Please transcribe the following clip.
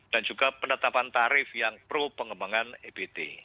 dan juga penetapan tarif yang pro pengembangan ebt